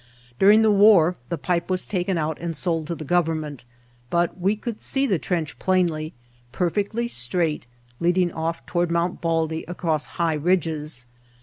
During the war the pipe was taken out and sold to the government, but we could see the trench plainly, perfectly straight, leading ofif toward Mt. Baldy across high ridges.